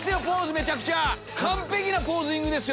めちゃくちゃ完璧なポージングですよ